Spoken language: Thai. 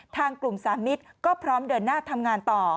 ทางกลุ่มสามมิตรก็พร้อมเดินหน้าทำงานต่อ